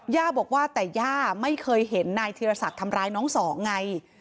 ย่าบอกว่าแต่ย่าไม่เคยเห็นนายธีรศักดิ์ทำร้ายน้องสองไง